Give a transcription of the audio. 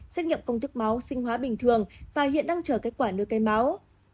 xét nghiệm công thức máu sinh hóa bình thường và hiện đang chờ kết quả đưa cây máu